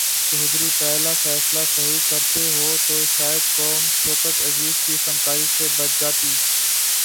چودھری پہلا فیصلہ صحیح کرتے تو شاید قوم شوکت عزیز کی فنکاری سے بچ جاتی۔